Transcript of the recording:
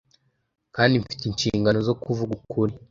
kandi mfite inshingano zo kuvuga ukuri